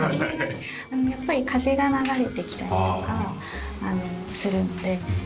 やっぱり風が流れてきたりとかするので。